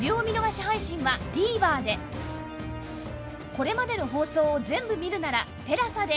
これまでの放送を全部見るなら ＴＥＬＡＳＡ で